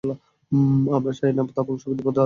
আমরা চাই না তার বংশবৃদ্ধির পথে আর কোনো বাঁধা আসুক।